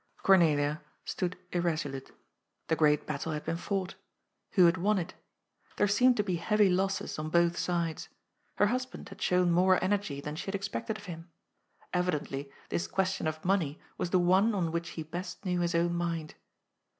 Cornelia stood irresolute. The great battle had been fought. Who had won it? There seemed to be heavy losses on both sides. Her husband had shown more energy than she had expected of him. Evidently, this question of money was the one on which he best knew his own mind.